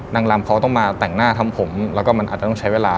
นางลำเขาต้องมาแต่งหน้าทำผมแล้วก็มันอาจจะต้องใช้เวลา